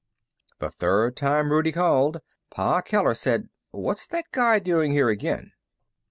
The third time Rudie called, Pa Keller said: "What's that guy doing here again?"